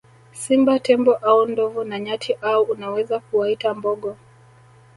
Simba Tembo au ndovu na nyati au unaweza kuwaita mbogo